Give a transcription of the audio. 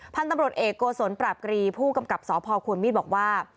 พันธุ์ตำรวจเอกโกศลปราบกรีผู้กำกับสพควรมีดบอกว่า